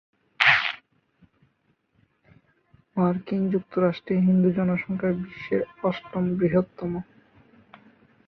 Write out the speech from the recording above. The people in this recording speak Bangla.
মার্কিন যুক্তরাষ্ট্রে হিন্দু-জনসংখ্যা বিশ্বে অষ্টম বৃহত্তম।